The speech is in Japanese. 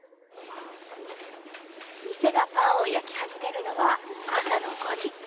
店がパンを焼き始めるのは朝の５時。